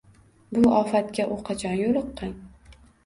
Bu ofatga u qachon yo’liqqan?